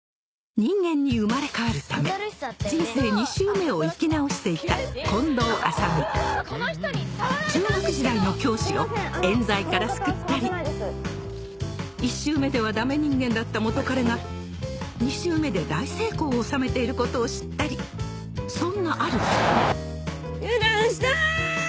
人間に生まれ変わるため人生２周目を生き直していた近藤麻美中学時代の教師を冤罪から救ったり１周目ではダメ人間だった元カレが２周目で大成功を収めていることを知ったりそんなある日油断した！